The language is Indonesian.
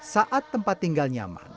saat tempat tinggal nyaman